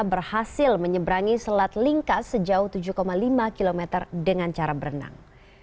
berhasil menyeberangi selat lingkas sejauh tujuh lima km dengan cara berenang